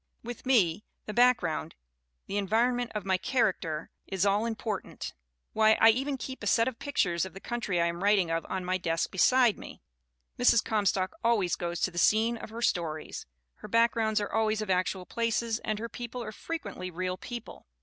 With me, the background, the environment of my characters, is 340 THE WOMEN WHO MAKE OUR NOVELS all important. Why, I even keep a set of pictures of the country I am writing of on my desk beside me." Mrs. Comstock always goes to the scene of her stories. Her backgrounds are always of actual places and her people are frequently real people.